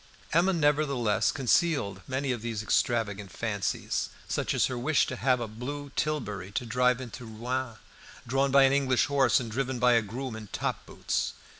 Emma nevertheless concealed many of these extravagant fancies, such as her wish to have a blue tilbury to drive into Rouen, drawn by an English horse and driven by a groom in top boots.